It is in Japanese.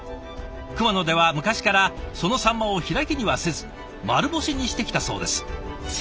熊野では昔からそのサンマを開きにはせず丸干しにしてきたそうです。